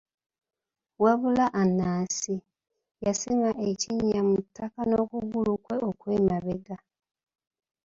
Wabula Anansi, yasima ekinnya mu ttaka n'okugulu kwe okw'emabega.